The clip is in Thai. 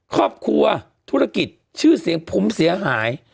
ครอบครัวธุรกิจชื่อเสียงภูมิเสียหาย